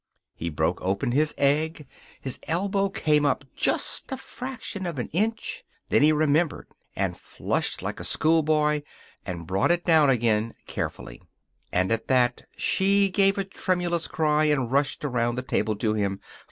He broke open his egg. His elbow came up just a fraction of an inch. Then he remembered, and flushed like a schoolboy, and brought it down again, carefully. And at that she gave a tremulous cry, and rushed around the table to him.